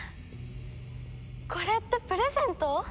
これってプレゼント？